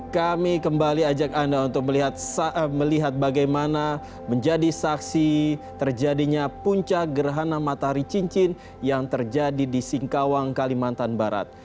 kami kembali ajak anda untuk melihat bagaimana menjadi saksi terjadinya puncak gerhana matahari cincin yang terjadi di singkawang kalimantan barat